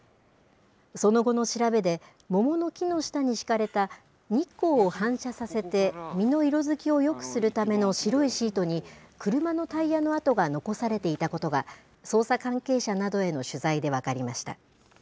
その後の調べで、桃の木の下に敷かれた、日光を反射させて、実の色づきをよくするための白いシートに、車のタイヤの跡が残されていたことが、捜査関係者などへの取材で分かりました。